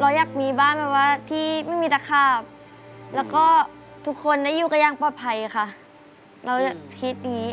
เราอยากมีบ้านแบบว่าที่ไม่มีตะขาบแล้วก็ทุกคนได้อยู่กันอย่างปลอดภัยค่ะเราจะคิดอย่างนี้